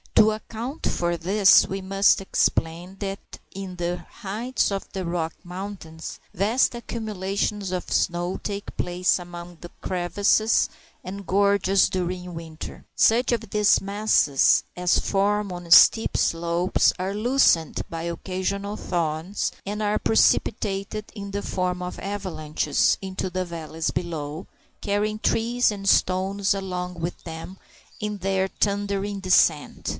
To account for this, we must explain that in the heights of the Rocky Mountains vast accumulations of snow take place among the crevices and gorges during winter. Such of these masses as form on steep slopes are loosened by occasional thaws, and are precipitated in the form of avalanches into the valleys below, carrying trees and stones along with them in their thundering descent.